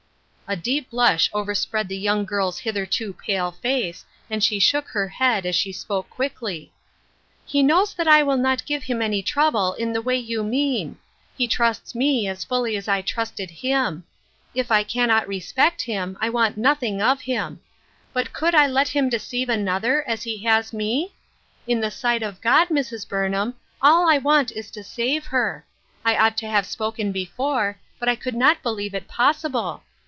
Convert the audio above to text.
" A deep blush overspread the young girl's hitherto pale face, and she shook her head, as she spoke quickly :—" He knows that I will not give him any trouble in the way you mean ; he trusts me as fully as I trusted him. If I cannot respect him, I want nothing of him. But could I let him deceive an other as he has me ? In the sight of God, Mrs. Burnham, all I want is to save her ; I ought to have spoken before, but I could not believe it pos sible.